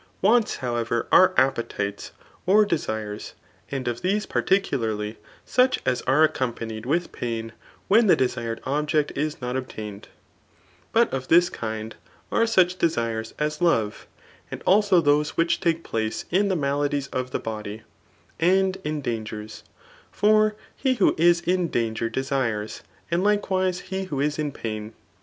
"Wants, however^ are. appetites or de^t*es, and of these particul^ly snch as are acdom« panied with pain when the desired object is not obtained: But of this kind, are such desires as love, and also those which take place in the maladies of the body, and in dangers ; for he Who is in danger desires, and likewise he who is in pain.